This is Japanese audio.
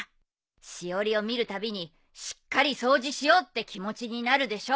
しおりを見るたびにしっかり掃除しようって気持ちになるでしょ。